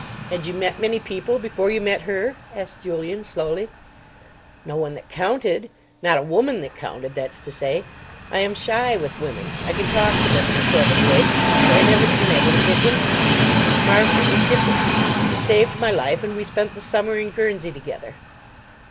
"Had you met many people before you met her?" asked Julian slowly. "No one that counted. Not a woman that counted, that's to say. I am shy with women. I can talk to them in a sort of way, but I never seem able to get intimate. Margaret was different. She saved my life, and we spent the summer in Guernsey together."